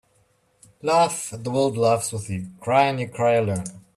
Laugh and the world laughs with you. Cry and you cry alone.